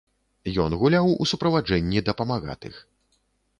Ён гуляў у суправаджэнні дапамагатых.